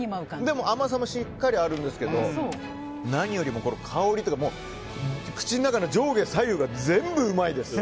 でも甘さもしっかりあるんですけど何よりも香りというか口の中の上下左右が全部うまいです。